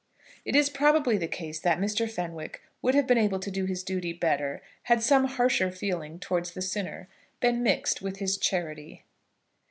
It is probably the case that Mr. Fenwick would have been able to do his duty better, had some harsher feeling towards the sinner been mixed with his charity.